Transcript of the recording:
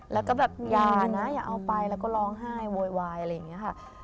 แล้วก็แบบอย่านะอย่าเอาไปแล้วก็ร้องไห้โวยวายอะไรอย่างนี้ค่ะ